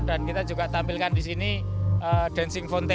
dan kita juga tampilkan di sini dancing fountain